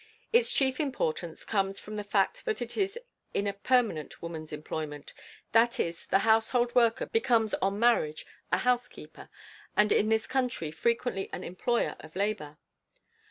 Its chief importance comes from the fact that it is in a permanent woman's employment; that is, the household worker becomes on marriage a housekeeper and in this country frequently an employer of labor.